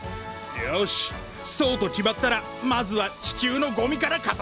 よしそうと決まったらまずは地球のゴミから片づけるぞ。